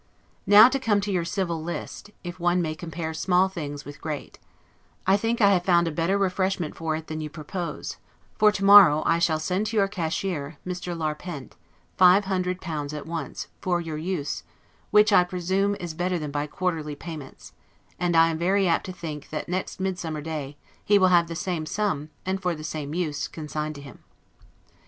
Now to come to your civil list, if one may compare small things with great: I think I have found out a better refreshment for it than you propose; for to morrow I shall send to your cashier, Mr. Larpent, five hundred pounds at once, for your use, which, I presume, is better than by quarterly payments; and I am very apt to think that next midsummer day, he will have the same sum, and for the same use, consigned to him.